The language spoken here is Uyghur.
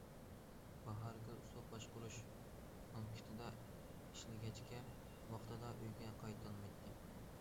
باھارگۈل سۇ باشقۇرۇش پونكىتىدا ئىشلىگەچكە، ۋاقتىدا ئۆيىگە قايتالمايتتى.